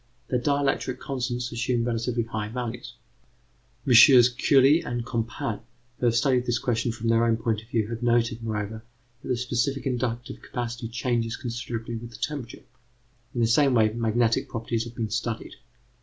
Their dielectric constants assume relatively high values. MM. Curie and Compan, who have studied this question from their own point of view, have noted, moreover, that the specific inductive capacity changes considerably with the temperature. In the same way, magnetic properties have been studied.